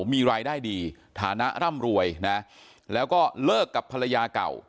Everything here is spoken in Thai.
มีรายได้ดีฐานะร่ำรวยนะแล้วก็เลิกกับภรรยาเก่า